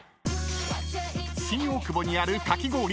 ［新大久保にあるかき氷専門店］